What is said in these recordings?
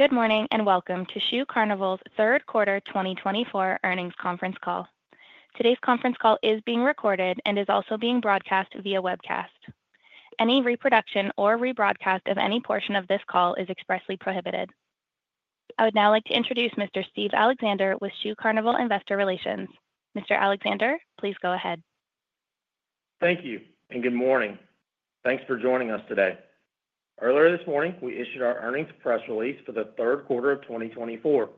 Good morning and welcome to Shoe Carnival's third quarter 2024 earnings conference call. Today's conference call is being recorded and is also being broadcast via webcast. Any reproduction or rebroadcast of any portion of this call is expressly prohibited. I would now like to introduce Mr. Steve Alexander with Shoe Carnival Investor Relations. Mr. Alexander, please go ahead. Thank you and good morning. Thanks for joining us today. Earlier this morning, we issued our earnings press release for the third quarter of 2024.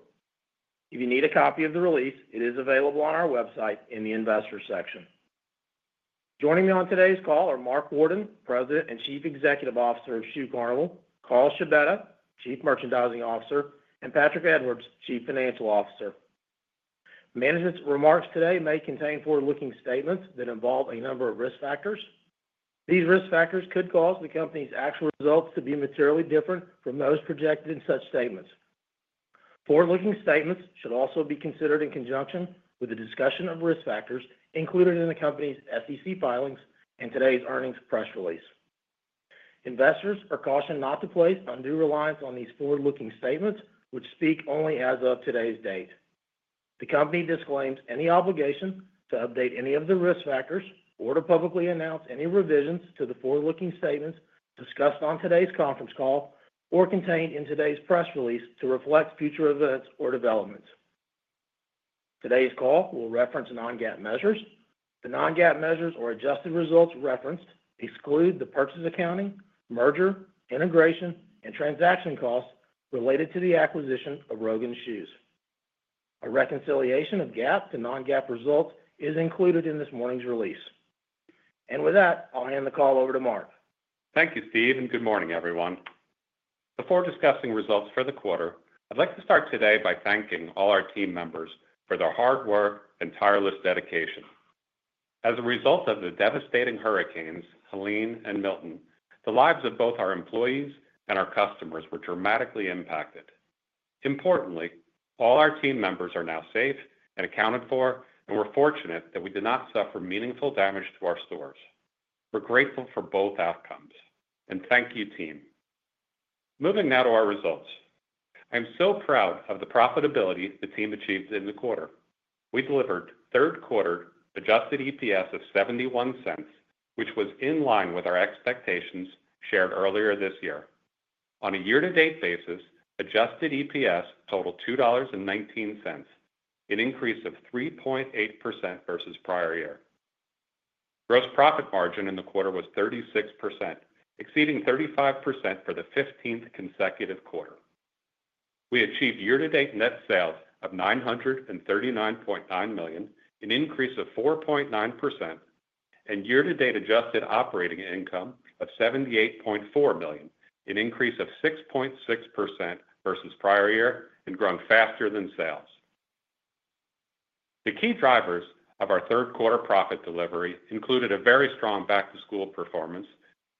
If you need a copy of the release, it is available on our website in the Investor section. Joining me on today's call are Mark Worden, President and Chief Executive Officer of Shoe Carnival, Carl Scibetta, Chief Merchandising Officer, and Patrick Edwards, Chief Financial Officer. Management's remarks today may contain forward-looking statements that involve a number of risk factors. These risk factors could cause the company's actual results to be materially different from those projected in such statements. Forward-looking statements should also be considered in conjunction with the discussion of risk factors included in the company's SEC filings and today's earnings press release. Investors are cautioned not to place undue reliance on these forward-looking statements, which speak only as of today's date. The company disclaims any obligation to update any of the risk factors or to publicly announce any revisions to the forward-looking statements discussed on today's conference call or contained in today's press release to reflect future events or developments. Today's call will reference non-GAAP measures. The non-GAAP measures or adjusted results referenced exclude the purchase accounting, merger, integration, and transaction costs related to the acquisition of Rogan's Shoes. A reconciliation of GAAP to non-GAAP results is included in this morning's release, and with that, I'll hand the call over to Mark. Thank you, Steve, and good morning, everyone. Before discussing results for the quarter, I'd like to start today by thanking all our team members for their hard work and tireless dedication. As a result of the devastating hurricanes Helene and Milton, the lives of both our employees and our customers were dramatically impacted. Importantly, all our team members are now safe and accounted for, and we're fortunate that we did not suffer meaningful damage to our stores. We're grateful for both outcomes, and thank you, team. Moving now to our results. I'm so proud of the profitability the team achieved in the quarter. We delivered third quarter adjusted EPS of $0.71, which was in line with our expectations shared earlier this year. On a year-to-date basis, adjusted EPS totaled $2.19, an increase of 3.8% versus prior year. Gross profit margin in the quarter was 36%, exceeding 35% for the 15th consecutive quarter. We achieved year-to-date net sales of $939.9 million, an increase of 4.9%, and year-to-date adjusted operating income of $78.4 million, an increase of 6.6% versus prior year, and grown faster than sales. The key drivers of our third quarter profit delivery included a very strong back-to-school performance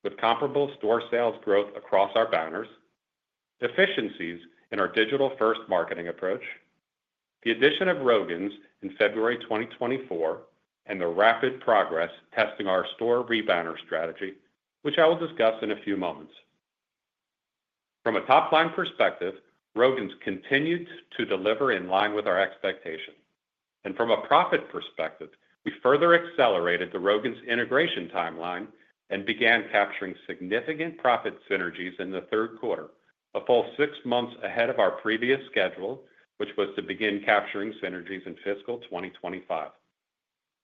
with comparable store sales growth across our banners, efficiencies in our digital-first marketing approach, the addition of Rogan's in February 2024, and the rapid progress testing our store rebanner strategy, which I will discuss in a few moments. From a top-line perspective, Rogan's continued to deliver in line with our expectation. And from a profit perspective, we further accelerated the Rogan's integration timeline and began capturing significant profit synergies in the third quarter, a full six months ahead of our previous schedule, which was to begin capturing synergies in fiscal 2025.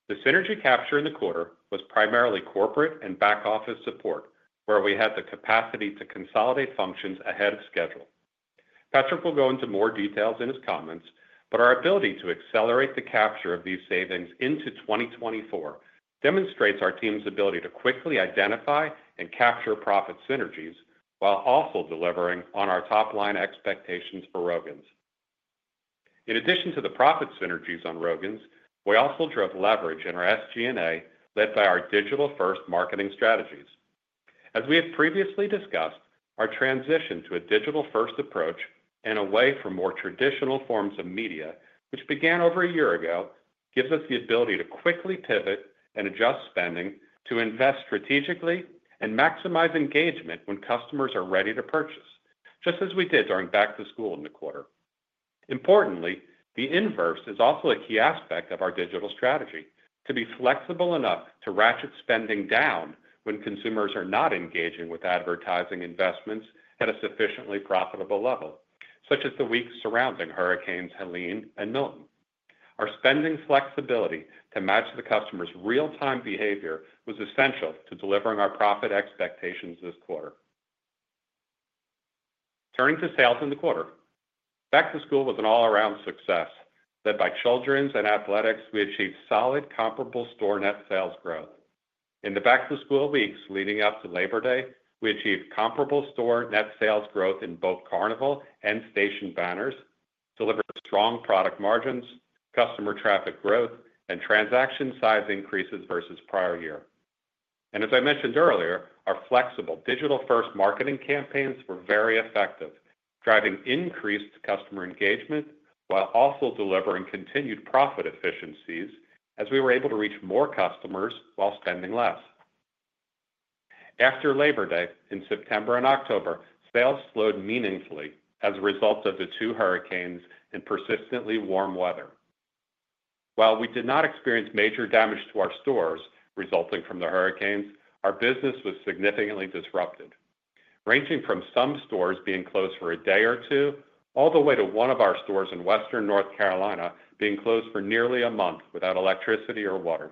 The synergy capture in the quarter was primarily corporate and back-office support, where we had the capacity to consolidate functions ahead of schedule. Patrick will go into more details in his comments, but our ability to accelerate the capture of these savings into 2024 demonstrates our team's ability to quickly identify and capture profit synergies while also delivering on our top-line expectations for Rogan's. In addition to the profit synergies on Rogan's, we also drove leverage in our SG&A led by our digital-first marketing strategies. As we have previously discussed, our transition to a digital-first approach and away from more traditional forms of media, which began over a year ago, gives us the ability to quickly pivot and adjust spending to invest strategically and maximize engagement when customers are ready to purchase, just as we did during back-to-school in the quarter. Importantly, the inverse is also a key aspect of our digital strategy: to be flexible enough to ratchet spending down when consumers are not engaging with advertising investments at a sufficiently profitable level, such as the weeks surrounding Hurricanes Helene and Milton. Our spending flexibility to match the customer's real-time behavior was essential to delivering our profit expectations this quarter. Turning to sales in the quarter, back-to-school was an all-around success, led by children's and athletics. We achieved solid, comparable store net sales growth. In the Back-to-school weeks leading up to Labor Day, we achieved comparable store net sales growth in both Carnival and Station banners, delivered strong product margins, customer traffic growth, and transaction size increases versus prior year, and as I mentioned earlier, our flexible digital-first marketing campaigns were very effective, driving increased customer engagement while also delivering continued profit efficiencies as we were able to reach more customers while spending less. After Labor Day, in September and October, sales slowed meaningfully as a result of the two hurricanes and persistently warm weather. While we did not experience major damage to our stores resulting from the hurricanes, our business was significantly disrupted, ranging from some stores being closed for a day or two, all the way to one of our stores in Western North Carolina being closed for nearly a month without electricity or water.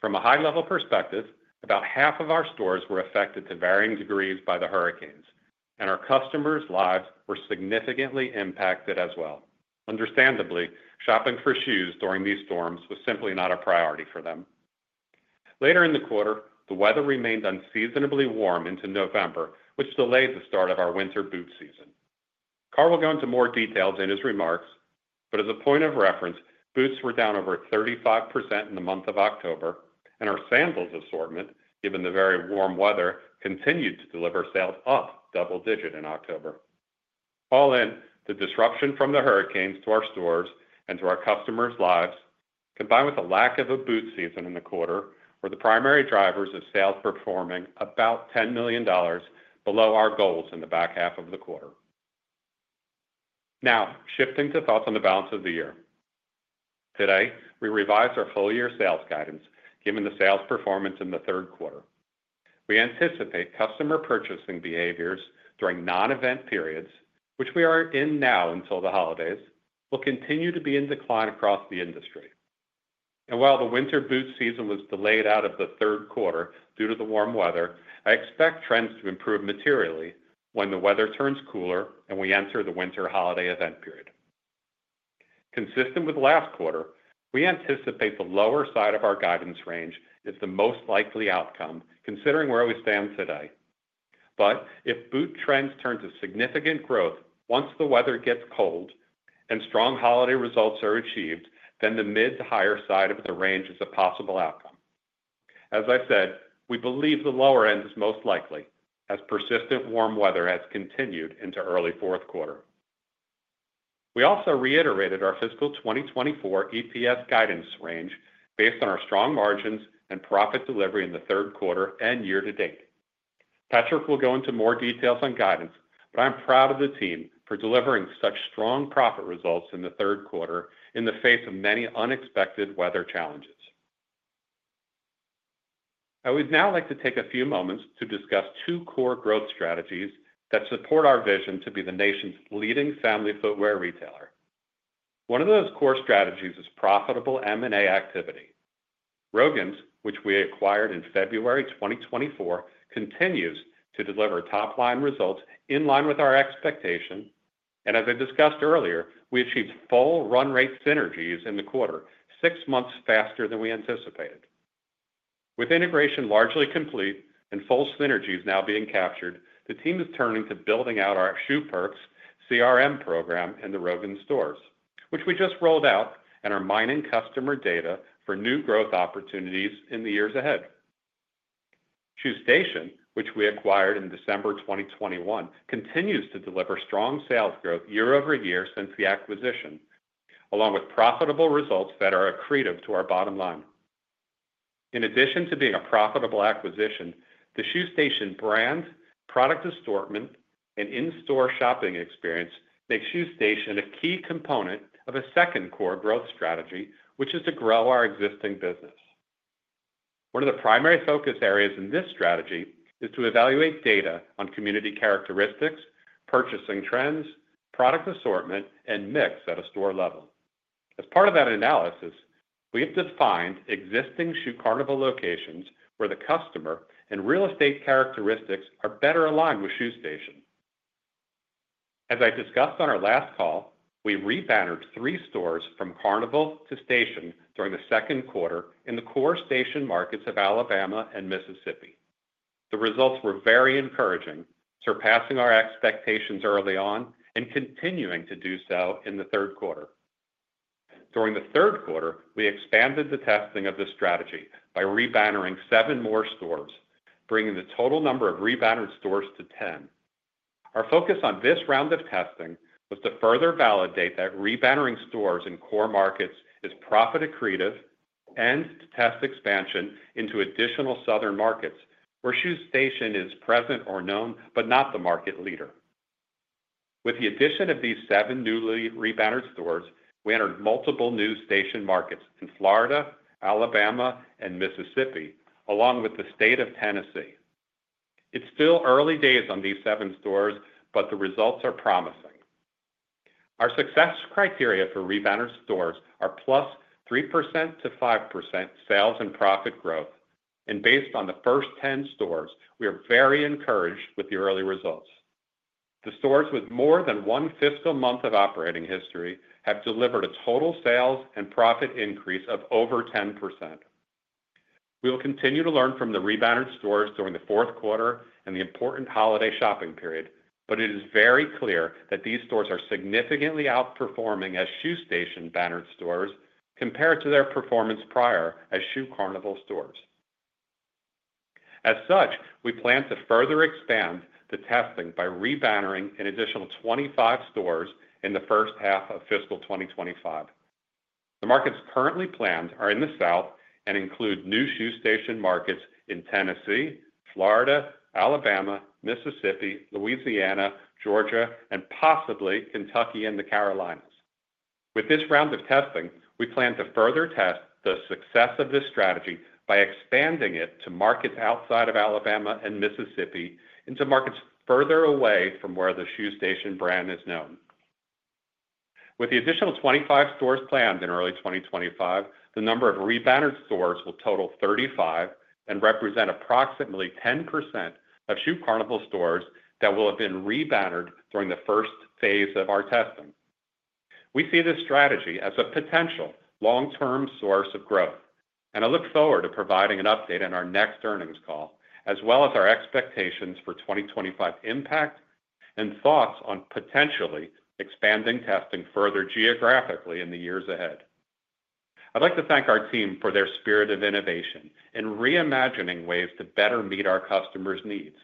From a high-level perspective, about half of our stores were affected to varying degrees by the hurricanes, and our customers' lives were significantly impacted as well. Understandably, shopping for shoes during these storms was simply not a priority for them. Later in the quarter, the weather remained unseasonably warm into November, which delayed the start of our winter boot season. Carl will go into more details in his remarks, but as a point of reference, boots were down over 35% in the month of October, and our sandals assortment, given the very warm weather, continued to deliver sales up double-digit in October. All in, the disruption from the hurricanes to our stores and to our customers' lives, combined with a lack of a boot season in the quarter, were the primary drivers of sales performing about $10 million below our goals in the back half of the quarter. Now, shifting to thoughts on the balance of the year. Today, we revised our full-year sales guidance given the sales performance in the third quarter. We anticipate customer purchasing behaviors during non-event periods, which we are in now until the holidays, will continue to be in decline across the industry, and while the winter boot season was delayed out of the third quarter due to the warm weather, I expect trends to improve materially when the weather turns cooler and we enter the winter holiday event period. Consistent with last quarter, we anticipate the lower side of our guidance range is the most likely outcome considering where we stand today, but if boot trends turn to significant growth once the weather gets cold and strong holiday results are achieved, then the mid to higher side of the range is a possible outcome. As I said, we believe the lower end is most likely as persistent warm weather has continued into early fourth quarter. We also reiterated our fiscal 2024 EPS guidance range based on our strong margins and profit delivery in the third quarter and year-to-date. Patrick will go into more details on guidance, but I'm proud of the team for delivering such strong profit results in the third quarter in the face of many unexpected weather challenges. I would now like to take a few moments to discuss two core growth strategies that support our vision to be the nation's leading family footwear retailer. One of those core strategies is profitable M&A activity. Rogan's, which we acquired in February 2024, continues to deliver top-line results in line with our expectation, and as I discussed earlier, we achieved full run-rate synergies in the quarter, six months faster than we anticipated. With integration largely complete and full synergies now being captured, the team is turning to building out our Shoe Perks CRM program in the Rogan's stores, which we just rolled out and are mining customer data for new growth opportunities in the years ahead. Shoe Station, which we acquired in December 2021, continues to deliver strong sales growth year over year since the acquisition, along with profitable results that are accretive to our bottom line. In addition to being a profitable acquisition, the Shoe Station brand, product assortment, and in-store shopping experience make Shoe Station a key component of a second core growth strategy, which is to grow our existing business. One of the primary focus areas in this strategy is to evaluate data on community characteristics, purchasing trends, product assortment, and mix at a store level. As part of that analysis, we have defined existing Shoe Carnival locations where the customer and real estate characteristics are better aligned with Shoe Station. As I discussed on our last call, we rebannered three stores from Carnival to Station during the second quarter in the core station markets of Alabama and Mississippi. The results were very encouraging, surpassing our expectations early on and continuing to do so in the third quarter. During the third quarter, we expanded the testing of the strategy by rebannering seven more stores, bringing the total number of rebannered stores to 10. Our focus on this round of testing was to further validate that rebannering stores in core markets is profit-accretive and to test expansion into additional southern markets where Shoe Station is present or known, but not the market leader. With the addition of these seven newly rebannered stores, we entered multiple new Shoe Station markets in Florida, Alabama, and Mississippi, along with the state of Tennessee. It's still early days on these seven stores, but the results are promising. Our success criteria for rebannered stores are plus 3%-5% sales and profit growth. And based on the first 10 stores, we are very encouraged with the early results. The stores with more than one fiscal month of operating history have delivered a total sales and profit increase of over 10%. We will continue to learn from the rebannered stores during the fourth quarter and the important holiday shopping period, but it is very clear that these stores are significantly outperforming as Shoe Station bannered stores compared to their performance prior as Shoe Carnival stores. As such, we plan to further expand the testing by rebannering an additional 25 stores in the first half of fiscal 2025. The markets currently planned are in the south and include new Shoe Station markets in Tennessee, Florida, Alabama, Mississippi, Louisiana, Georgia, and possibly Kentucky and the Carolinas. With this round of testing, we plan to further test the success of this strategy by expanding it to markets outside of Alabama and Mississippi into markets further away from where the Shoe Station brand is known. With the additional 25 stores planned in early 2025, the number of rebannered stores will total 35 and represent approximately 10% of Shoe Carnival stores that will have been rebannered during the first phase of our testing. We see this strategy as a potential long-term source of growth, and I look forward to providing an update on our next earnings call, as well as our expectations for 2025 impact and thoughts on potentially expanding testing further geographically in the years ahead. I'd like to thank our team for their spirit of innovation in reimagining ways to better meet our customers' needs.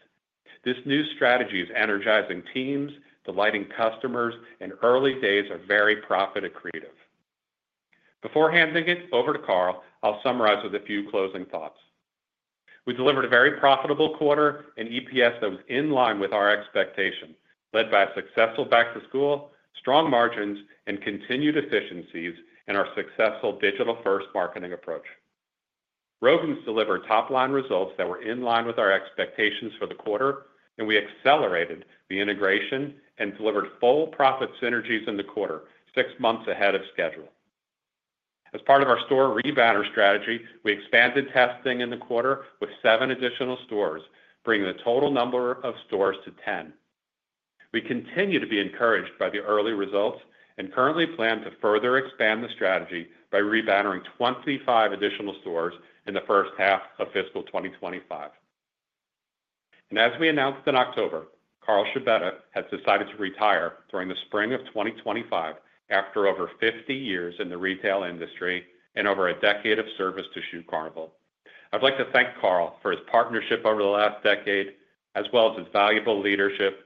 This new strategy is energizing teams, delighting customers, and early days are very profit-accretive. Before handing it over to Carl, I'll summarize with a few closing thoughts. We delivered a very profitable quarter and EPS that was in line with our expectation, led by a successful back-to-school, strong margins, and continued efficiencies in our successful digital-first marketing approach. Rogan's delivered top-line results that were in line with our expectations for the quarter, and we accelerated the integration and delivered full profit synergies in the quarter, six months ahead of schedule. As part of our store rebanner strategy, we expanded testing in the quarter with seven additional stores, bringing the total number of stores to 10. We continue to be encouraged by the early results and currently plan to further expand the strategy by rebannering 25 additional stores in the first half of fiscal 2025, and as we announced in October, Carl Scibetta has decided to retire during the spring of 2025 after over 50 years in the retail industry and over a decade of service to Shoe Carnival. I'd like to thank Carl for his partnership over the last decade, as well as his valuable leadership,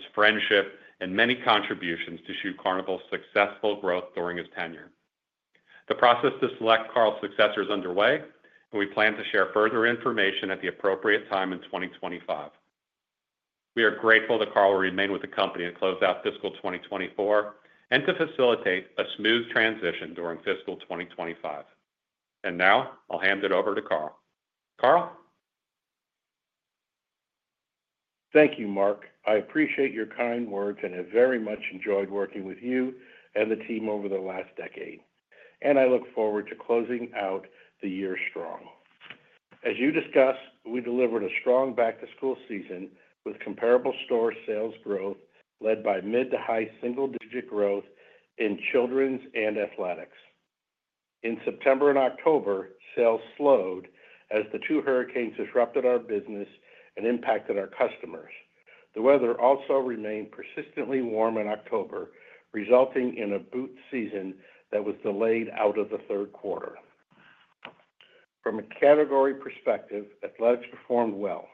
his friendship, and many contributions to Shoe Carnival's successful growth during his tenure. The process to select Carl's successor is underway, and we plan to share further information at the appropriate time in 2025. We are grateful that Carl will remain with the company to close out fiscal 2024 and to facilitate a smooth transition during fiscal 2025. And now, I'll hand it over to Carl. Carl. Thank you, Mark. I appreciate your kind words and have very much enjoyed working with you and the team over the last decade. And I look forward to closing out the year strong. As you discussed, we delivered a strong back-to-school season with comparable store sales growth, led by mid to high single-digit growth in children's and athletics. In September and October, sales slowed as the two hurricanes disrupted our business and impacted our customers. The weather also remained persistently warm in October, resulting in a boot season that was delayed out of the third quarter. From a category perspective, athletics performed well,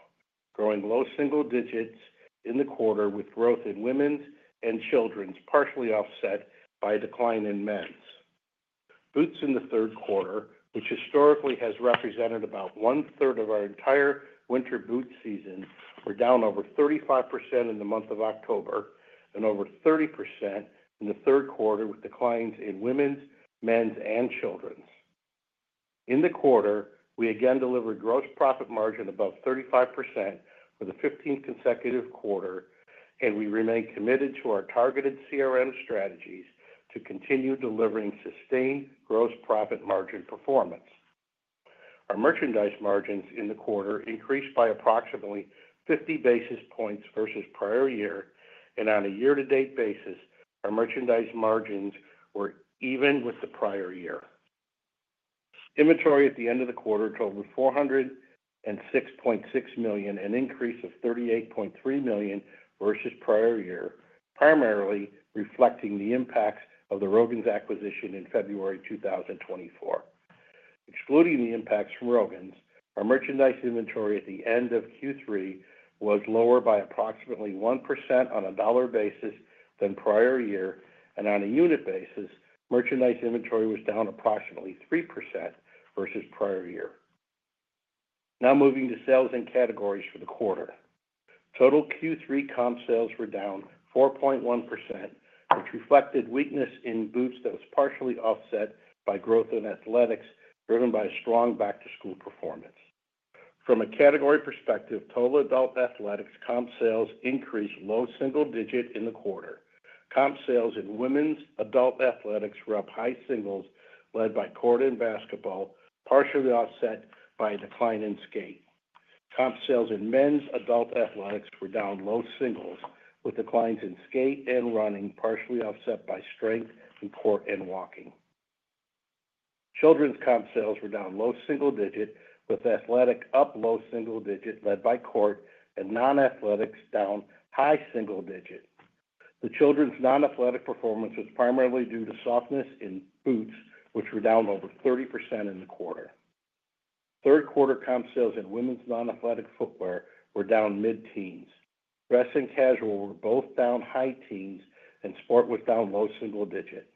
growing low single digits in the quarter with growth in women's and children's partially offset by a decline in men's. Boots in the third quarter, which historically has represented about one-third of our entire winter boot season, were down over 35% in the month of October and over 30% in the third quarter with declines in women's, men's, and children's. In the quarter, we again delivered gross profit margin above 35% for the 15th consecutive quarter, and we remain committed to our targeted CRM strategies to continue delivering sustained gross profit margin performance. Our merchandise margins in the quarter increased by approximately 50 basis points versus prior year, and on a year-to-date basis, our merchandise margins were even with the prior year. Inventory at the end of the quarter totaled $406.6 million, an increase of $38.3 million versus prior year, primarily reflecting the impacts of the Rogan's acquisition in February 2024. Excluding the impacts from Rogan's, our merchandise inventory at the end of Q3 was lower by approximately 1% on a dollar basis than prior year, and on a unit basis, merchandise inventory was down approximately 3% versus prior year. Now moving to sales and categories for the quarter. Total Q3 comp sales were down 4.1%, which reflected weakness in boots that was partially offset by growth in athletics driven by a strong back-to-school performance. From a category perspective, total adult athletics comp sales increased low single digit in the quarter. Comp sales in women's adult athletics were up high singles, led by court and basketball, partially offset by a decline in skate. Comp sales in men's adult athletics were down low singles, with declines in skate and running partially offset by strength in court and walking. Children's comp sales were down low single digit, with athletic up low single digit, led by court, and non-athletics down high single digit. The children's non-athletic performance was primarily due to softness in boots, which were down over 30% in the quarter. Third quarter comp sales in women's non-athletic footwear were down mid-teens. Dress and casual were both down high teens, and sport was down low single digit.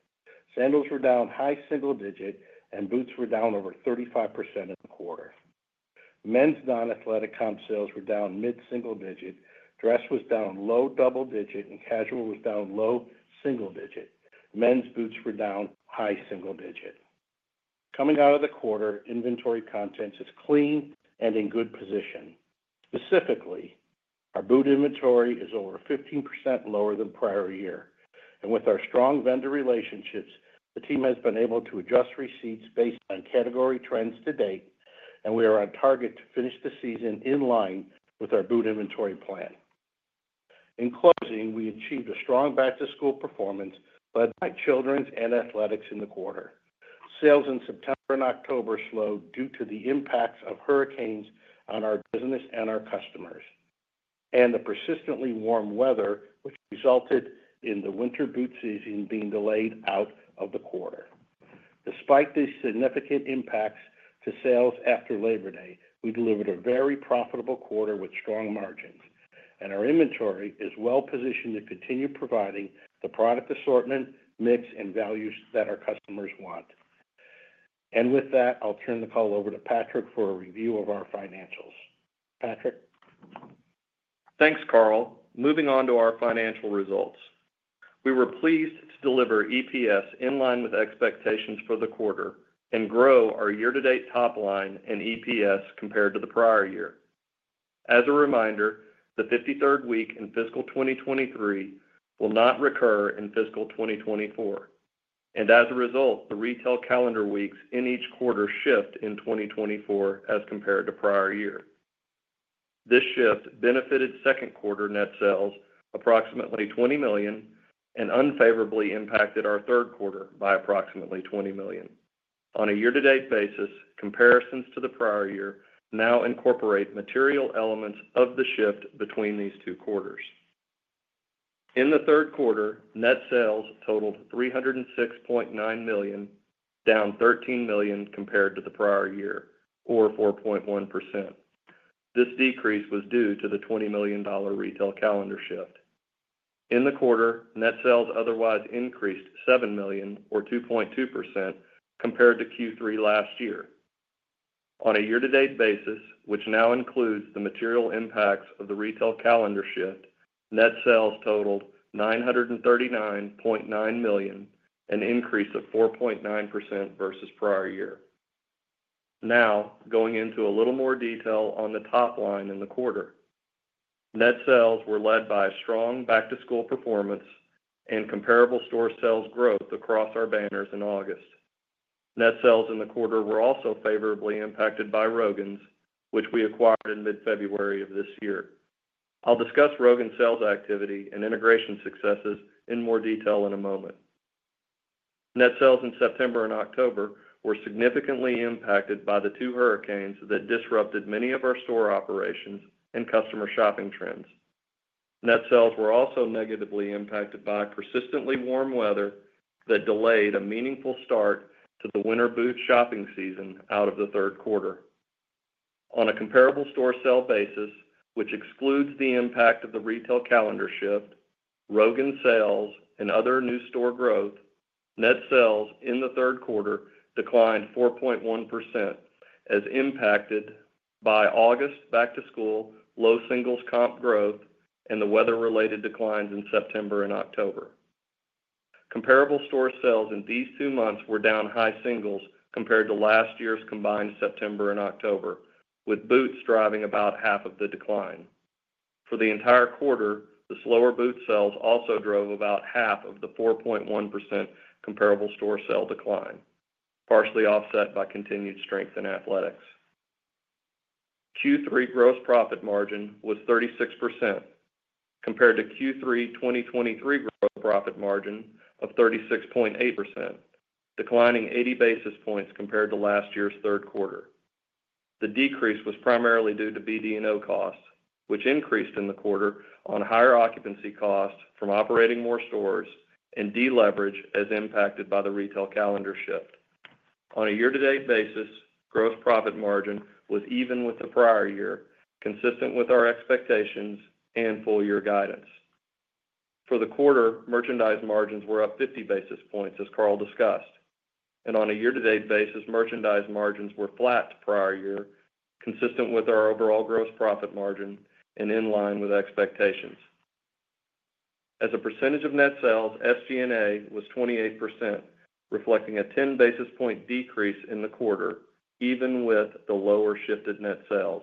Sandals were down high single digit, and boots were down over 35% in the quarter. Men's non-athletic comp sales were down mid-single digit. Dress was down low double digit, and casual was down low single digit. Men's boots were down high single digit. Coming out of the quarter, inventory content is clean and in good position. Specifically, our boot inventory is over 15% lower than prior year, and with our strong vendor relationships, the team has been able to adjust receipts based on category trends to date, and we are on target to finish the season in line with our boot inventory plan. In closing, we achieved a strong back-to-school performance, led by children's and athletics in the quarter. Sales in September and October slowed due to the impacts of hurricanes on our business and our customers, and the persistently warm weather, which resulted in the winter boot season being delayed out of the quarter. Despite these significant impacts to sales after Labor Day, we delivered a very profitable quarter with strong margins, and our inventory is well-positioned to continue providing the product assortment, mix, and values that our customers want. And with that, I'll turn the call over to Patrick for a review of our financials. Patrick. Thanks, Carl. Moving on to our financial results. We were pleased to deliver EPS in line with expectations for the quarter and grow our year-to-date top line in EPS compared to the prior year. As a reminder, the 53rd week in fiscal 2023 will not recur in fiscal 2024. And as a result, the retail calendar weeks in each quarter shift in 2024 as compared to prior year. This shift benefited second quarter net sales approximately $20 million and unfavorably impacted our third quarter by approximately $20 million. On a year-to-date basis, comparisons to the prior year now incorporate material elements of the shift between these two quarters. In the third quarter, net sales totaled $306.9 million, down $13 million compared to the prior year, or 4.1%. This decrease was due to the $20 million retail calendar shift. In the quarter, net sales otherwise increased $7 million, or 2.2%, compared to Q3 last year. On a year-to-date basis, which now includes the material impacts of the retail calendar shift, net sales totaled $939.9 million, an increase of 4.9% versus prior year. Now, going into a little more detail on the top line in the quarter, net sales were led by strong back-to-school performance and comparable store sales growth across our banners in August. Net sales in the quarter were also favorably impacted by Rogan's, which we acquired in mid-February of this year. I'll discuss Rogan's sales activity and integration successes in more detail in a moment. Net sales in September and October were significantly impacted by the two hurricanes that disrupted many of our store operations and customer shopping trends. Net sales were also negatively impacted by persistently warm weather that delayed a meaningful start to the winter boot shopping season out of the third quarter. On a comparable store sales basis, which excludes the impact of the retail calendar shift, Rogan's sales and other new store growth, net sales in the third quarter declined 4.1% as impacted by August back-to-school, low singles comp growth, and the weather-related declines in September and October. Comparable store sales in these two months were down high singles compared to last year's combined September and October, with boots driving about half of the decline. For the entire quarter, the slower boot sales also drove about half of the 4.1% comparable store sales decline, partially offset by continued strength in athletics. Q3 gross profit margin was 36% compared to Q3 2023 gross profit margin of 36.8%, declining 80 basis points compared to last year's third quarter. The decrease was primarily due to BD&O costs, which increased in the quarter on higher occupancy costs from operating more stores and deleverage as impacted by the retail calendar shift. On a year-to-date basis, gross profit margin was even with the prior year, consistent with our expectations and full-year guidance. For the quarter, merchandise margins were up 50 basis points, as Carl discussed, and on a year-to-date basis, merchandise margins were flat to prior year, consistent with our overall gross profit margin and in line with expectations. As a percentage of net sales, SG&A was 28%, reflecting a 10 basis point decrease in the quarter, even with the lower shifted net sales.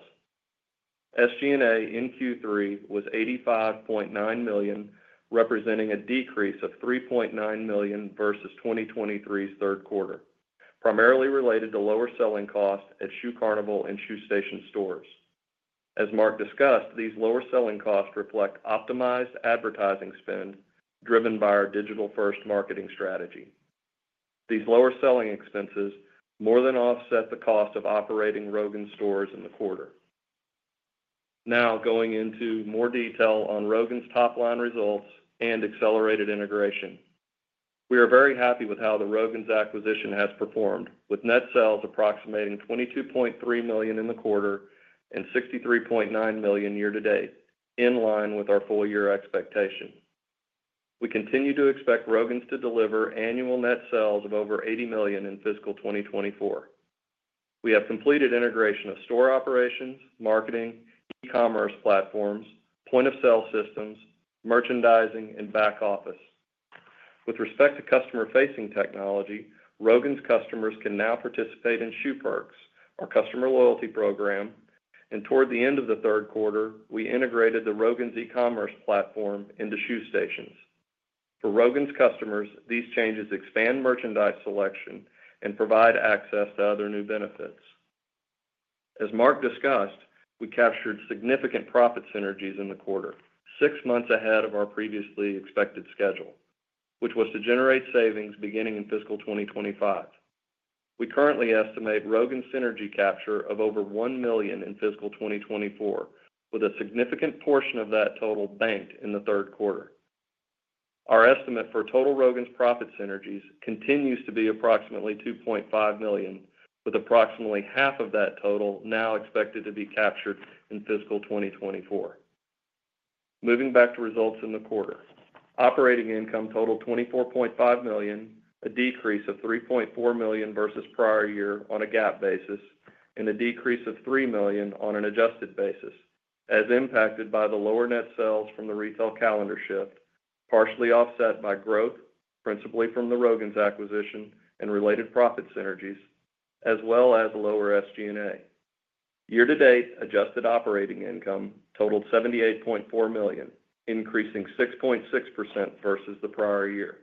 SG&A in Q3 was $85.9 million, representing a decrease of $3.9 million versus 2023's third quarter, primarily related to lower selling costs at Shoe Carnival and Shoe Station stores. As Mark discussed, these lower selling costs reflect optimized advertising spend driven by our digital-first marketing strategy. These lower selling expenses more than offset the cost of operating Rogan's stores in the quarter. Now, going into more detail on Rogan's top line results and accelerated integration. We are very happy with how the Rogan's acquisition has performed, with net sales approximating $22.3 million in the quarter and $63.9 million year-to-date, in line with our full-year expectation. We continue to expect Rogan's to deliver annual net sales of over $80 million in fiscal 2024. We have completed integration of store operations, marketing, e-commerce platforms, point-of-sale systems, merchandising, and back office. With respect to customer-facing technology, Rogan's customers can now participate in Shoe Perks, our customer loyalty program. Toward the end of the third quarter, we integrated the Rogan's e-commerce platform into Shoe Station's. For Rogan's customers, these changes expand merchandise selection and provide access to other new benefits. As Mark discussed, we captured significant profit synergies in the quarter, six months ahead of our previously expected schedule, which was to generate savings beginning in fiscal 2025. We currently estimate Rogan's synergy capture of over $1 million in fiscal 2024, with a significant portion of that total banked in the third quarter. Our estimate for total Rogan's profit synergies continues to be approximately $2.5 million, with approximately half of that total now expected to be captured in fiscal 2024. Moving back to results in the quarter, operating income totaled $24.5 million, a decrease of $3.4 million versus prior year on a GAAP basis, and a decrease of $3 million on an adjusted basis, as impacted by the lower net sales from the retail calendar shift, partially offset by growth, principally from the Rogan's acquisition and related profit synergies, as well as lower SG&A. Year-to-date adjusted operating income totaled $78.4 million, increasing 6.6% versus the prior year.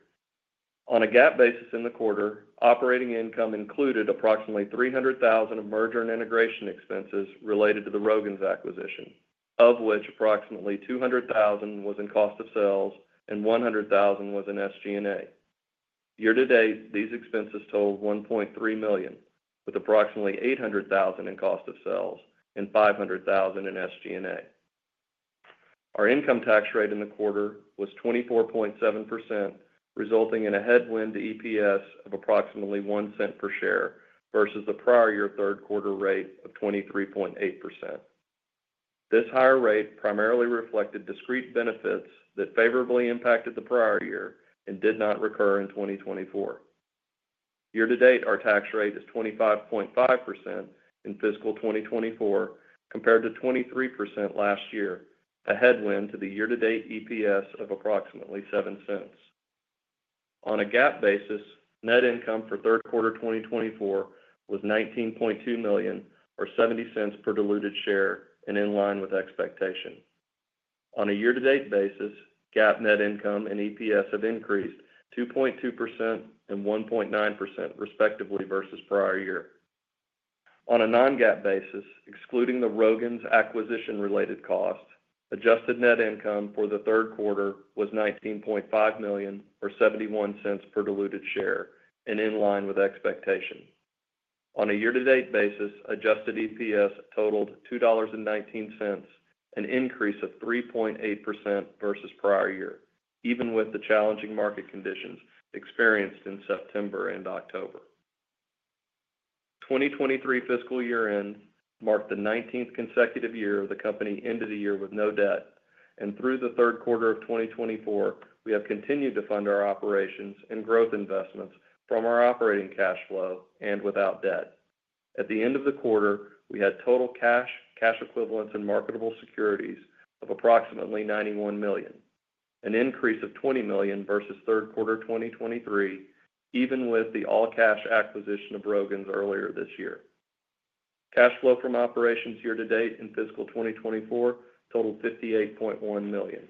On a GAAP basis in the quarter, operating income included approximately $300,000 of merger and integration expenses related to the Rogan's acquisition, of which approximately $200,000 was in cost of sales and $100,000 was in SG&A. Year-to-date, these expenses totaled $1.3 million, with approximately $800,000 in cost of sales and $500,000 in SG&A. Our income tax rate in the quarter was 24.7%, resulting in a headwind to EPS of approximately $0.01 per share versus the prior year third quarter rate of 23.8%. This higher rate primarily reflected discrete benefits that favorably impacted the prior year and did not recur in 2024. Year-to-date, our tax rate is 25.5% in fiscal 2024, compared to 23% last year, a headwind to the year-to-date EPS of approximately $0.07. On a GAAP basis, net income for third quarter 2024 was $19.2 million, or $0.70 per diluted share, and in line with expectation. On a year-to-date basis, GAAP net income and EPS have increased 2.2% and 1.9%, respectively, versus prior year. On a non-GAAP basis, excluding the Rogan's acquisition-related costs, adjusted net income for the third quarter was $19.5 million, or $0.71 per diluted share, and in line with expectation. On a year-to-date basis, adjusted EPS totaled $2.19, an increase of 3.8% versus prior year, even with the challenging market conditions experienced in September and October. 2023 fiscal year-end marked the 19th consecutive year of the company ended the year with no debt, and through the third quarter of 2024, we have continued to fund our operations and growth investments from our operating cash flow and without debt. At the end of the quarter, we had total cash, cash equivalents, and marketable securities of approximately $91 million, an increase of $20 million versus third quarter 2023, even with the all-cash acquisition of Rogan's earlier this year. Cash flow from operations year-to-date in fiscal 2024 totaled $58.1 million.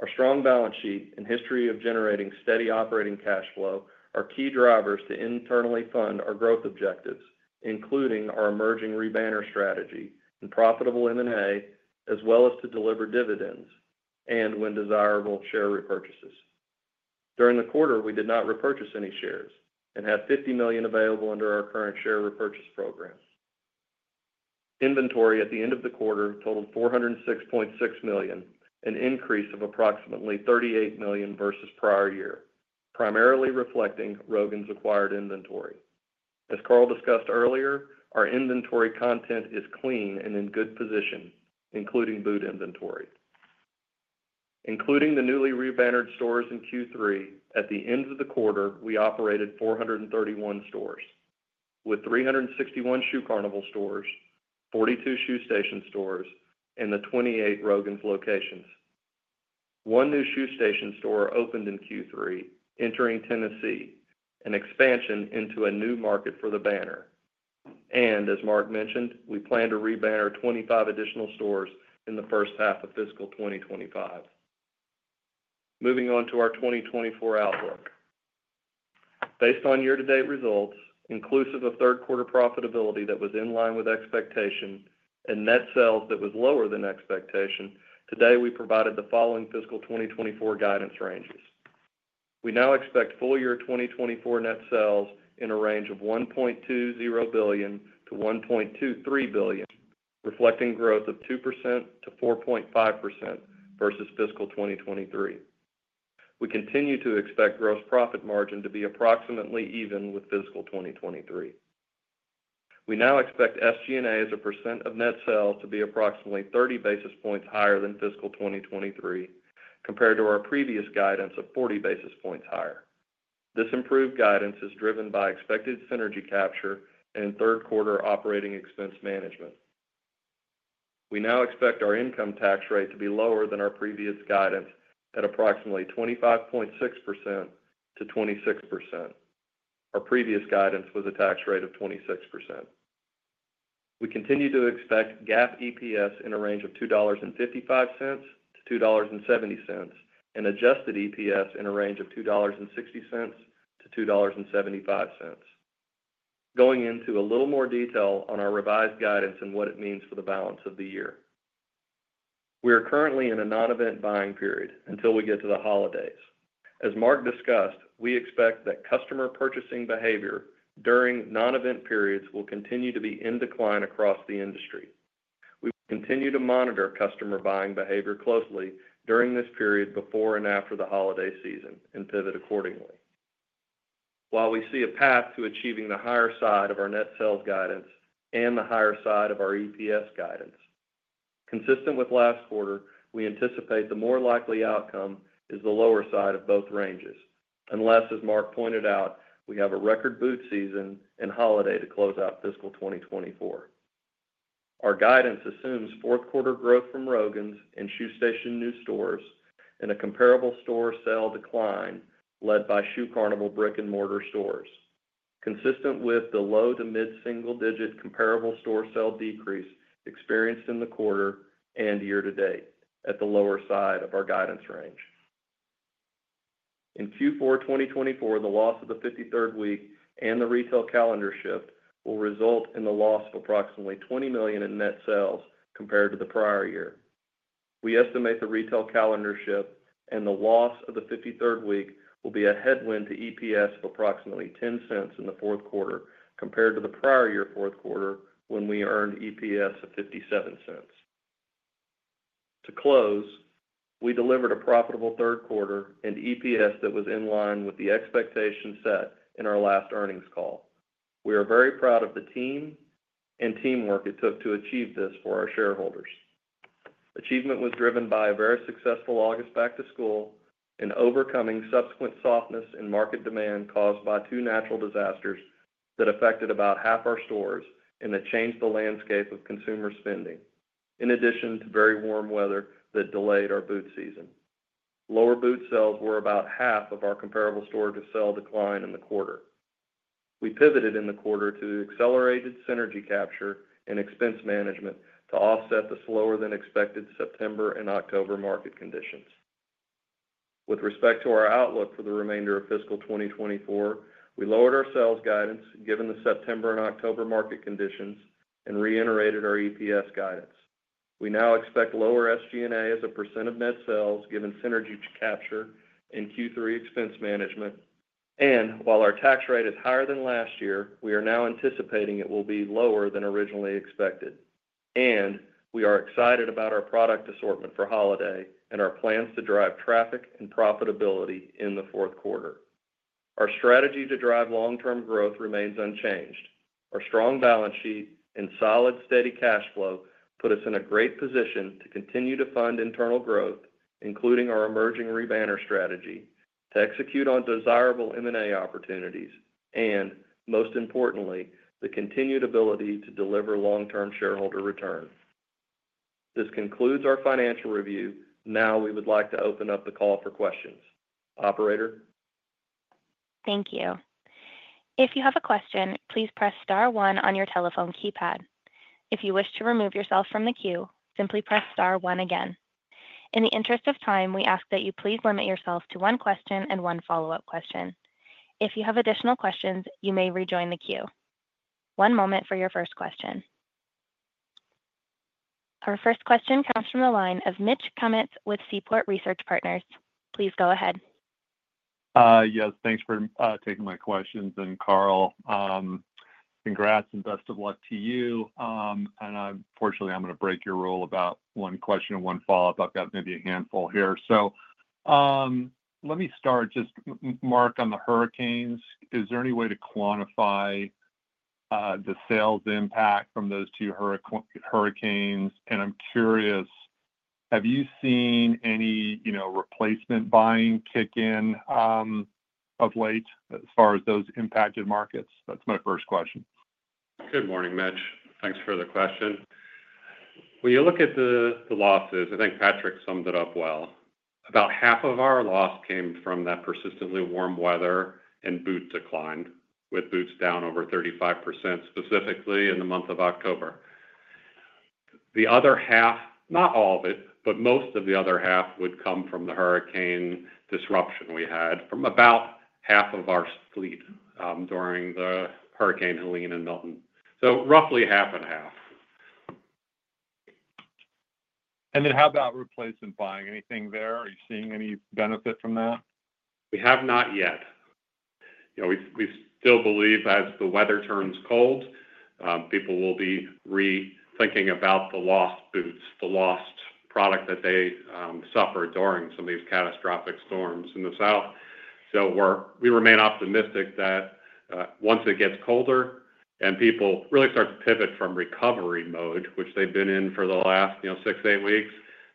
Our strong balance sheet and history of generating steady operating cash flow are key drivers to internally fund our growth objectives, including our emerging rebanner strategy and profitable M&A, as well as to deliver dividends and, when desirable, share repurchases. During the quarter, we did not repurchase any shares and have $50 million available under our current share repurchase program. Inventory at the end of the quarter totaled $406.6 million, an increase of approximately $38 million versus prior year, primarily reflecting Rogan's acquired inventory. As Carl discussed earlier, our inventory content is clean and in good position, including boot inventory. Including the newly rebannered stores in Q3, at the end of the quarter, we operated 431 stores, with 361 Shoe Carnival stores, 42 Shoe Station stores, and the 28 Rogan's locations. One new Shoe Station store opened in Q3, entering Tennessee, an expansion into a new market for the banner. And as Mark mentioned, we plan to rebanner 25 additional stores in the first half of fiscal 2025. Moving on to our 2024 outlook. Based on year-to-date results, inclusive of third quarter profitability that was in line with expectation and net sales that was lower than expectation, today we provided the following fiscal 2024 guidance ranges. We now expect full-year 2024 net sales in a range of $1.20 billion-$1.23 billion, reflecting growth of 2%-4.5% versus fiscal 2023. We continue to expect gross profit margin to be approximately even with fiscal 2023. We now expect SG&A's percent of net sales to be approximately 30 basis points higher than fiscal 2023, compared to our previous guidance of 40 basis points higher. This improved guidance is driven by expected synergy capture and third quarter operating expense management. We now expect our income tax rate to be lower than our previous guidance at approximately 25.6%-26%. Our previous guidance was a tax rate of 26%. We continue to expect GAAP EPS in a range of $2.55-$2.70 and adjusted EPS in a range of $2.60-$2.75. Going into a little more detail on our revised guidance and what it means for the balance of the year. We are currently in a non-event buying period until we get to the holidays. As Mark discussed, we expect that customer purchasing behavior during non-event periods will continue to be in decline across the industry. We continue to monitor customer buying behavior closely during this period before and after the holiday season and pivot accordingly. While we see a path to achieving the higher side of our net sales guidance and the higher side of our EPS guidance, consistent with last quarter, we anticipate the more likely outcome is the lower side of both ranges, unless, as Mark pointed out, we have a record boot season and holiday to close out fiscal 2024. Our guidance assumes fourth quarter growth from Rogan's and Shoe Station new stores and a comparable store sale decline led by Shoe Carnival brick-and-mortar stores, consistent with the low to mid-single-digit comparable store sale decrease experienced in the quarter and year-to-date at the lower side of our guidance range. In Q4 2024, the loss of the 53rd week and the retail calendar shift will result in the loss of approximately $20 million in net sales compared to the prior year. We estimate the retail calendar shift and the loss of the 53rd week will be a headwind to EPS of approximately $0.10 in the fourth quarter compared to the prior year fourth quarter when we earned EPS of $0.57. To close, we delivered a profitable third quarter and EPS that was in line with the expectation set in our last earnings call. We are very proud of the team and teamwork it took to achieve this for our shareholders. Achievement was driven by a very successful August back-to-school and overcoming subsequent softness in market demand caused by two natural disasters that affected about half our stores and that changed the landscape of consumer spending, in addition to very warm weather that delayed our boot season. Lower boot sales were about half of our comparable store sales decline in the quarter. We pivoted in the quarter to accelerated synergy capture and expense management to offset the slower-than-expected September and October market conditions. With respect to our outlook for the remainder of fiscal 2024, we lowered our sales guidance given the September and October market conditions and reiterated our EPS guidance. We now expect lower SG&A as a % of net sales given synergy capture and Q3 expense management, and while our tax rate is higher than last year, we are now anticipating it will be lower than originally expected, and we are excited about our product assortment for holiday and our plans to drive traffic and profitability in the fourth quarter. Our strategy to drive long-term growth remains unchanged. Our strong balance sheet and solid steady cash flow put us in a great position to continue to fund internal growth, including our emerging rebanner strategy, to execute on desirable M&A opportunities, and most importantly, the continued ability to deliver long-term shareholder return. This concludes our financial review. Now we would like to open up the call for questions. Operator. Thank you. If you have a question, please press star one on your telephone keypad. If you wish to remove yourself from the queue, simply press star one again. In the interest of time, we ask that you please limit yourself to one question and one follow-up question. If you have additional questions, you may rejoin the queue. One moment for your first question. Our first question comes from the line of Mitch Kummetz with Seaport Research Partners. Please go ahead. Yes, thanks for taking my questions. Carl, congrats and best of luck to you. Unfortunately, I'm going to break your rule about one question and one follow-up. I've got maybe a handful here. Let me start just, Mark, on the hurricanes. Is there any way to quantify the sales impact from those two hurricanes? I'm curious, have you seen any replacement buying kick in of late as far as those impacted markets? That's my first question. Good morning, Mitch. Thanks for the question. When you look at the losses, I think Patrick summed it up well. About half of our loss came from that persistently warm weather and boot decline, with boots down over 35% specifically in the month of October. The other half, not all of it, but most of the other half would come from the hurricane disruption we had from about half of our fleet during Hurricane Helene and Milton. So roughly half and half. And then how about replacement buying? Anything there? Are you seeing any benefit from that? We have not yet. We still believe as the weather turns cold, people will be rethinking about the lost boots, the lost product that they suffered during some of these catastrophic storms in the south. So we remain optimistic that once it gets colder and people really start to pivot from recovery mode, which they've been in for the last six, eight weeks,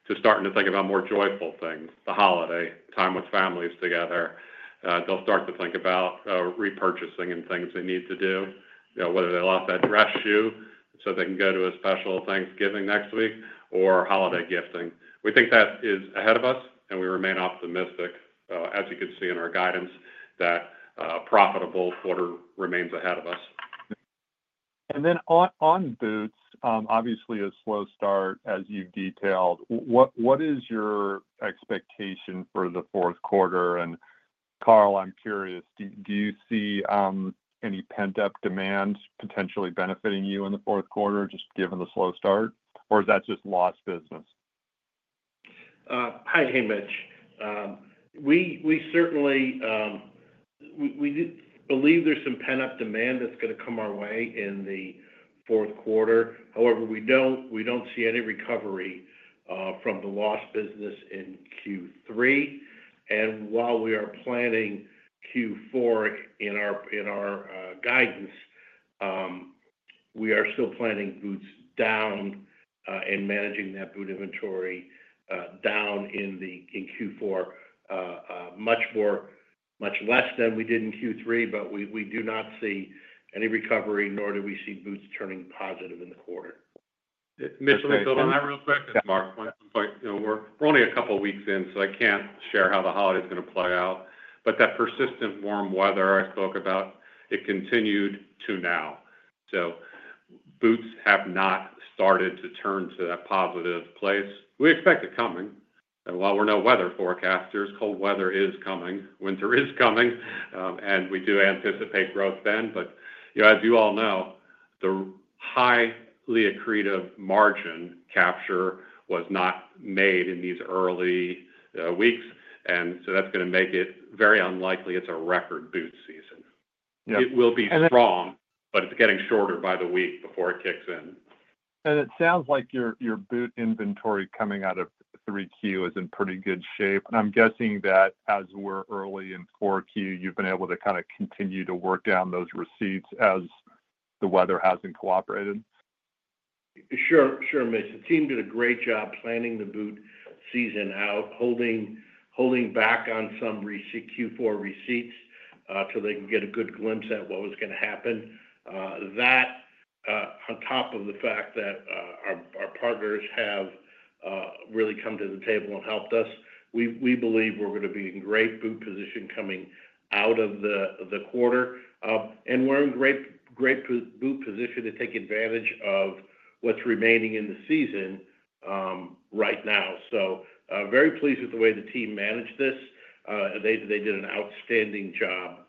to starting to think about more joyful things, the holiday time with families together. They'll start to think about repurchasing and things they need to do, whether they lost that dress shoe so they can go to a special Thanksgiving next week or holiday gifting. We think that is ahead of us, and we remain optimistic, as you can see in our guidance, that a profitable quarter remains ahead of us, and then on boots, obviously a slow start, as you detailed. What is your expectation for the fourth quarter? And Carl, I'm curious, do you see any pent-up demand potentially benefiting you in the fourth quarter, just given the slow start? Or is that just lost business? Hi, hey, Mitch. We certainly believe there's some pent-up demand that's going to come our way in the fourth quarter. However, we don't see any recovery from the lost business in Q3. And while we are planning Q4 in our guidance, we are still planning boots down and managing that boot inventory down in Q4, much less than we did in Q3, but we do not see any recovery, nor do we see boots turning positive in the quarter. Mitch, can I build on that real quick? Mark, we're only a couple of weeks in, so I can't share how the holiday is going to play out. But that persistent warm weather I spoke about, it continued to now. So boots have not started to turn to that positive place. We expect it coming. And while we're no weather forecasters, cold weather is coming. Winter is coming. And we do anticipate growth then. But as you all know, the highly accretive margin capture was not made in these early weeks. And so that's going to make it very unlikely it's a record boot season. It will be strong, but it's getting shorter by the week before it kicks in. And it sounds like your boot inventory coming out of three Q is in pretty good shape. And I'm guessing that as we're early in four Q, you've been able to kind of continue to work down those receipts as the weather hasn't cooperated. Sure, sure, Mitch. The team did a great job planning the boot season out, holding back on some Q4 receipts so they can get a good glimpse at what was going to happen. That on top of the fact that our partners have really come to the table and helped us, we believe we're going to be in great boot position coming out of the quarter. We're in great boot position to take advantage of what's remaining in the season right now. So very pleased with the way the team managed this. They did an outstanding job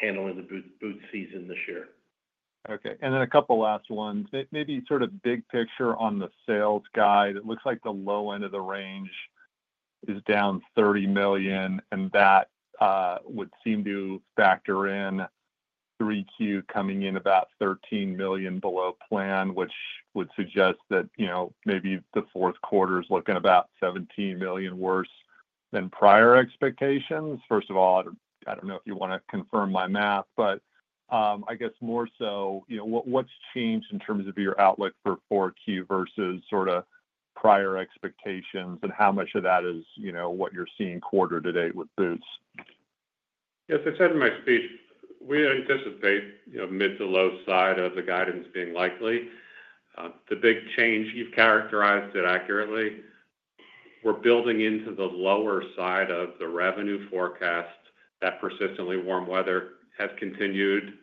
handling the boot season this year. Okay. And then a couple last ones. Maybe sort of big picture on the sales guide. It looks like the low end of the range is down $30 million, and that would seem to factor in 3Q coming in about $13 million below plan, which would suggest that maybe the fourth quarter is looking about $17 million worse than prior expectations. First of all, I don't know if you want to confirm my math, but I guess more so what's changed in terms of your outlook for 4Q versus sort of prior expectations and how much of that is what you're seeing quarter to date with boots? Yes, I said in my speech, we anticipate mid- to low side of the guidance being likely. The big change you've characterized it accurately. We're building into the lower side of the revenue forecast. That persistently warm weather has continued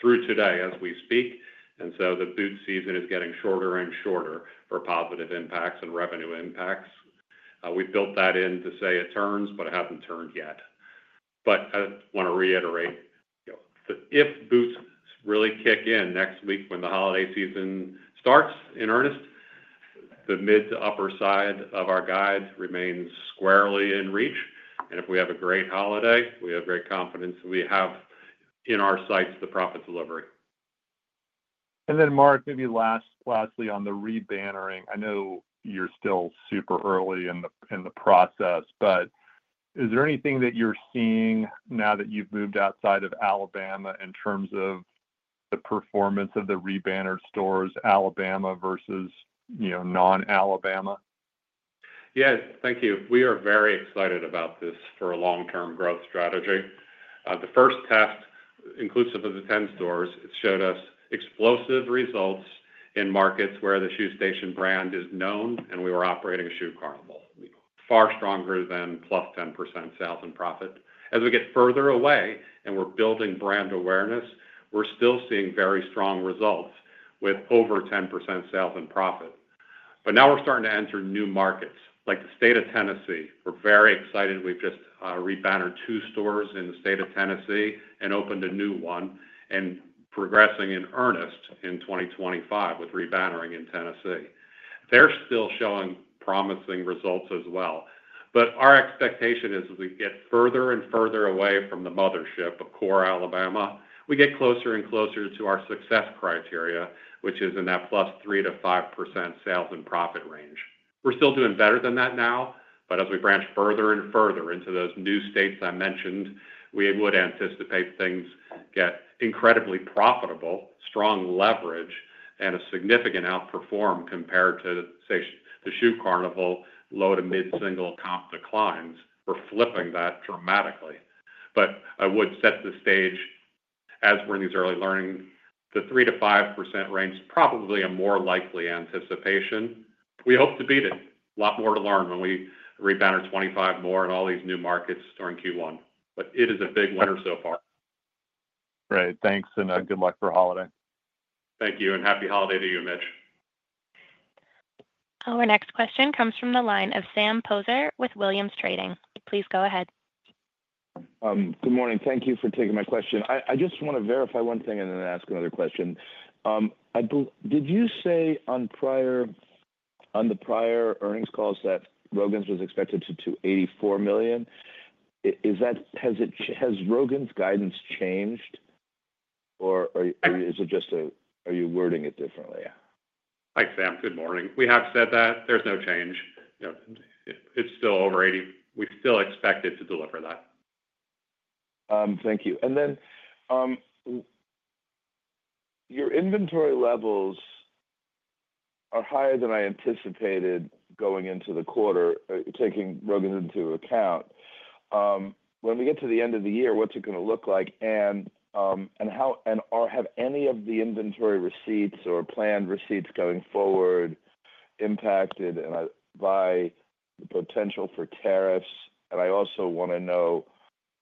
through today as we speak. And so the boot season is getting shorter and shorter for positive impacts and revenue impacts. We've built that in to say it turns, but it hasn't turned yet. But I want to reiterate, if boots really kick in next week when the holiday season starts in earnest, the mid- to upper side of our guide remains squarely in reach. And if we have a great holiday, we have great confidence that we have in our sights the profit delivery. And then, Mark, maybe lastly on the rebannering, I know you're still super early in the process, but is there anything that you're seeing now that you've moved outside of Alabama in terms of the performance of the rebanner stores, Alabama versus non-Alabama? Yes, thank you. We are very excited about this for a long-term growth strategy. The first test, inclusive of the 10 stores, showed us explosive results in markets where the Shoe Station brand is known, and we were operating Shoe Carnival, far stronger than plus 10% sales and profit. As we get further away and we're building brand awareness, we're still seeing very strong results with over 10% sales and profit. But now we're starting to enter new markets like the state of Tennessee. We're very excited. We've just rebannered two stores in the state of Tennessee and opened a new one and progressing in earnest in 2025 with rebannering in Tennessee. They're still showing promising results as well. But our expectation is as we get further and further away from the mothership of core Alabama, we get closer and closer to our success criteria, which is in that plus 3-5% sales and profit range. We're still doing better than that now, but as we branch further and further into those new states I mentioned, we would anticipate things get incredibly profitable, strong leverage, and a significant outperform compared to, say, the Shoe Carnival low to mid single comp declines. We're flipping that dramatically. But I would set the stage as we're in these early learning, the 3-5% range is probably a more likely anticipation. We hope to beat it. A lot more to learn when we rebanner 25 more in all these new markets during Q1, but it is a big winner so far. Great. Thanks, and good luck for holiday. Thank you, and happy holiday to you, Mitch. Our next question comes from the line of Sam Poser with Williams Trading. Please go ahead. Good morning. Thank you for taking my question. I just want to verify one thing and then ask another question. Did you say on the prior earnings calls that Rogan's was expected to do $84 million? Has Rogan's guidance changed, or is it just a, are you wording it differently? Hi, Sam. Good morning. We have said that. There's no change. It's still over $80. We still expect it to deliver that. Thank you. And then your inventory levels are higher than I anticipated going into the quarter, taking Rogan into account. When we get to the end of the year, what's it going to look like? And have any of the inventory receipts or planned receipts going forward impacted by the potential for tariffs? And I also want to know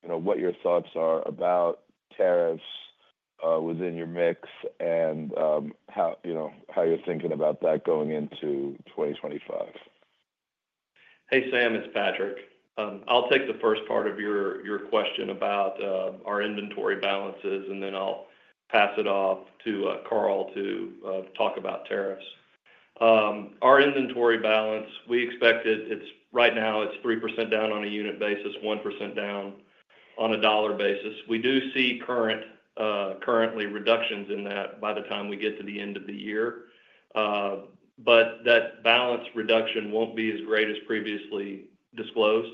what your thoughts are about tariffs within your mix and how you're thinking about that going into 2025. Hey, Sam, it's Patrick. I'll take the first part of your question about our inventory balances, and then I'll pass it off to Carl to talk about tariffs. Our inventory balance, we expect it right now, it's 3% down on a unit basis, 1% down on a dollar basis. We do see currently reductions in that by the time we get to the end of the year. But that balance reduction won't be as great as previously disclosed.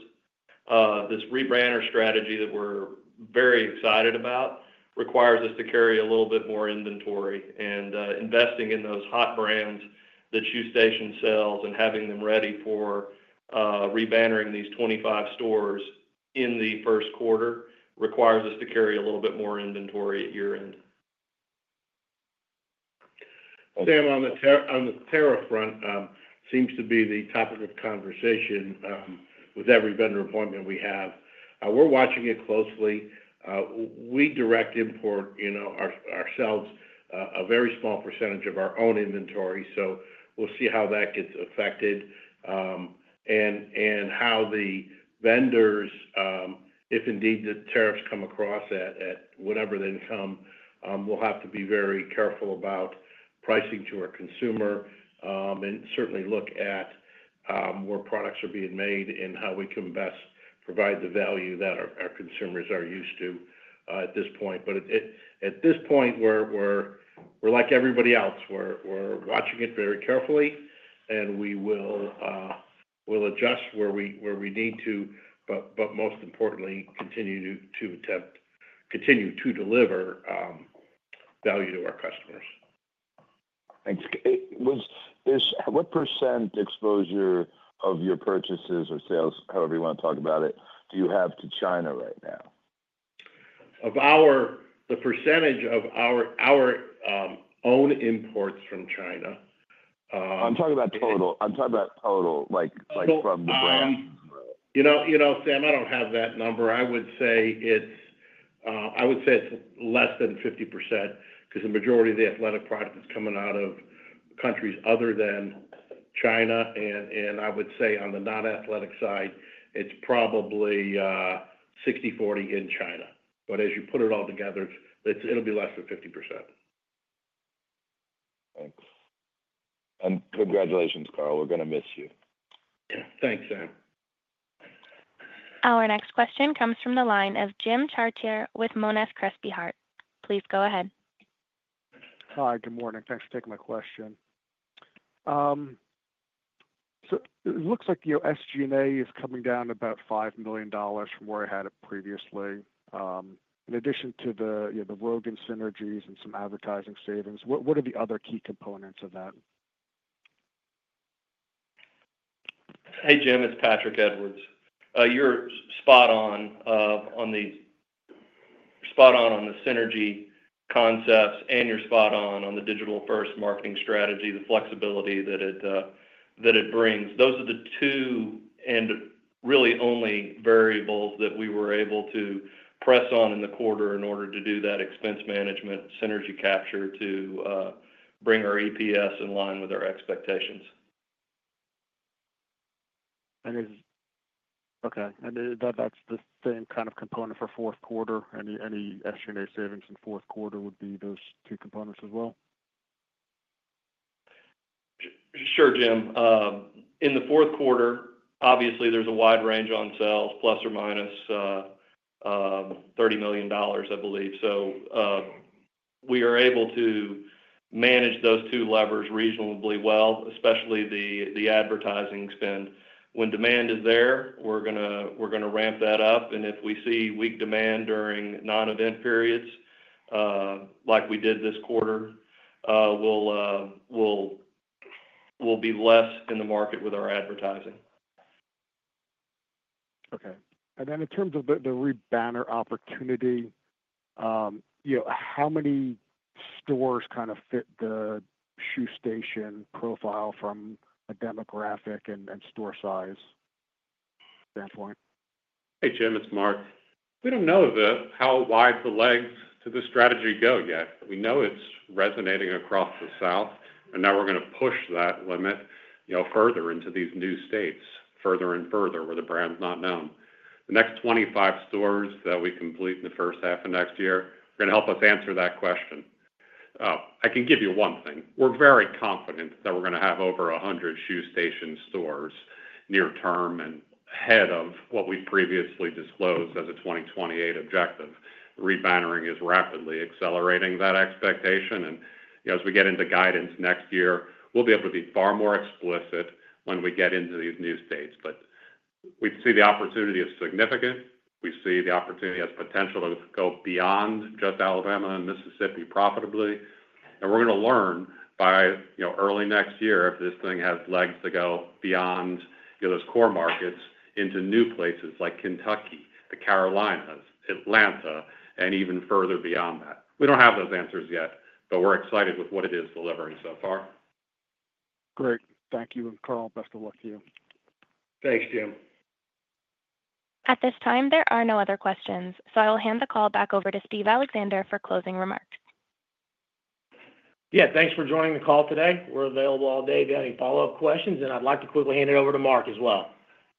This rebanner strategy that we're very excited about requires us to carry a little bit more inventory, and investing in those hot brands that Shoe Station sells and having them ready for rebannering these 25 stores in the first quarter requires us to carry a little bit more inventory at year end. Sam, on the tariff front, seems to be the topic of conversation with every vendor appointment we have. We're watching it closely. We direct import ourselves a very small percentage of our own inventory. So we'll see how that gets affected and how the vendors, if indeed the tariffs come across at whatever they become, we'll have to be very careful about pricing to our consumer and certainly look at where products are being made and how we can best provide the value that our consumers are used to at this point. But at this point, we're like everybody else. We're watching it very carefully, and we will adjust where we need to, but most importantly, continue to deliver value to our customers. Thanks. What % exposure of your purchases or sales, however you want to talk about it, do you have to China right now? The percentage of our own imports from China. I'm talking about total. I'm talking about total from the brand. You know, Sam, I don't have that number. I would say it's less than 50% because the majority of the athletic product is coming out of countries other than China. And I would say on the non-athletic side, it's probably 60/40 in China. But as you put it all together, it'll be less than 50%. Thanks. And congratulations, Carl. We're going to miss you. Thanks, Sam. Our next question comes from the line of Jim Chartier with Monness Crespi Hardt. Please go ahead. Hi, good morning. Thanks for taking my question. So it looks like your SG&A is coming down about $5 million from where it had previously. In addition to the Rogan synergies and some advertising savings, what are the other key components of that? Hey, Jim. It's Patrick Edwards. You're spot on on the synergy concepts and you're spot on on the digital-first marketing strategy, the flexibility that it brings. Those are the two and really only variables that we were able to press on in the quarter in order to do that expense management synergy capture to bring our EPS in line with our expectations. Okay. And that's the same kind of component for fourth quarter. Any SG&A savings in fourth quarter would be those two components as well? Sure, Jim. In the fourth quarter, obviously, there's a wide range on sales, plus or minus $30 million, I believe. So we are able to manage those two levers reasonably well, especially the advertising spend. When demand is there, we're going to ramp that up. And if we see weak demand during non-event periods like we did this quarter, we'll be less in the market with our advertising. Okay. And then in terms of the rebanner opportunity, how many stores kind of fit the Shoe Station profile from a demographic and store size standpoint? Hey, Jim. It's Mark. We don't know how wide the legs to the strategy go yet. We know it's resonating across the South, and now we're going to push that limit further into these new states, further and further where the brand's not known. The next 25 stores that we complete in the first half of next year are going to help us answer that question. I can give you one thing. We're very confident that we're going to have over 100 Shoe Station stores near term and ahead of what we previously disclosed as a 2028 objective. Rebannering is rapidly accelerating that expectation. And as we get into guidance next year, we'll be able to be far more explicit when we get into these new states. But we see the opportunity as significant. We see the opportunity as potential to go beyond just Alabama and Mississippi profitably. And we're going to learn by early next year if this thing has legs to go beyond those core markets into new places like Kentucky, the Carolinas, Atlanta, and even further beyond that. We don't have those answers yet, but we're excited with what it is delivering so far. Great. Thank you. And Carl, best of luck to you. Thanks, Jim. At this time, there are no other questions. So I will hand the call back over to Steve Alexander for closing remarks. Yeah. Thanks for joining the call today. We're available all day if you have any follow-up questions. And I'd like to quickly hand it over to Mark as well.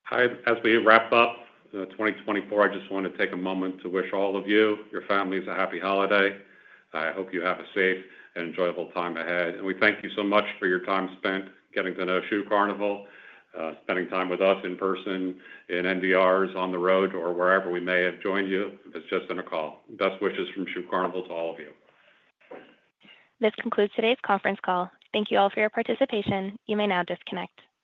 Hi. As we wrap up 2024, I just want to take a moment to wish all of you, your families, a happy holiday. I hope you have a safe and enjoyable time ahead. And we thank you so much for your time spent getting to know Shoe Carnival, spending time with us in person, in NDRs, on the road, or wherever we may have joined you. It's just been a ball. Best wishes from Shoe Carnival to all of you. This concludes today's conference call. Thank you all for your participation. You may now disconnect.